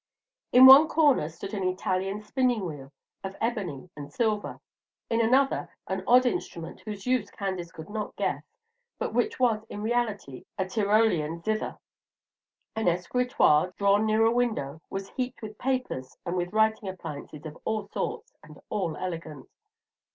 In one corner stood an Italian spinning wheel of ebony and silver; in another an odd instrument, whose use Candace could not guess, but which was in reality a Tyrolean zither. An escritoire, drawn near a window, was heaped with papers and with writing appliances of all sorts, and all elegant.